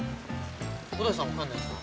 伍代さんは帰んないんすか？